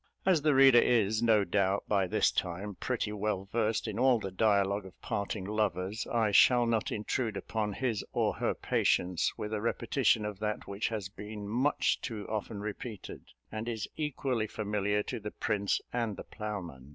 As the reader is, no doubt, by this time pretty well versed in all the dialogue of parting lovers, I shall not intrude upon his or her patience with a repetition of that which has been much too often repeated, and is equally familiar to the prince and the ploughman.